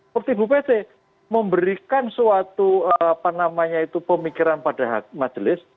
bukti bukti memberikan suatu pemikiran pada majelis